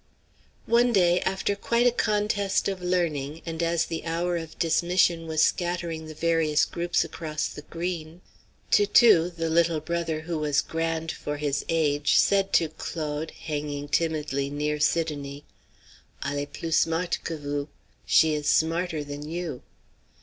One day, after quite a contest of learning, and as the hour of dismission was scattering the various groups across the green, Toutou, the little brother who was grand for his age, said to Claude, hanging timidly near Sidonie: "Alle est plus smart' que vous." (She is smarter than you.)